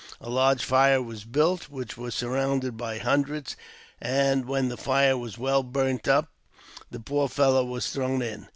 A large fire was built, which was surrounded by hundreds, and when the fire was well burnt up the poor fellow was thrown in.